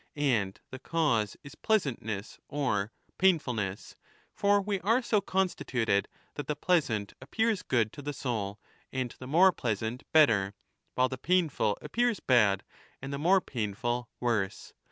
And the cause is pleasantness or painfulness ; for we are so constituted that the pleasant appears good to the soul and the more pleasant better, while the painful appears bad and 1227'' the more painful worse.